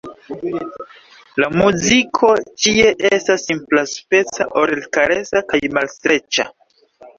La muziko ĉie estas simplaspeca, orelkaresa kaj malstreĉa.